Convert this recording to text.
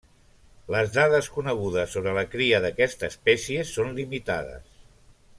Les dades conegudes sobre la cria d'aquesta espècie són limitades.